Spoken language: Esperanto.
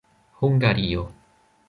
hungario